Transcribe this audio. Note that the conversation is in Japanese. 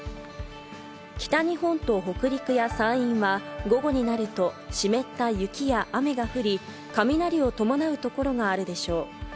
北日本と北陸や山陰は、午後になると湿った雪や雨が降り、雷を伴う所があるでしょう。